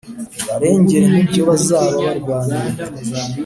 ubarengere mu byo bazaba barwaniye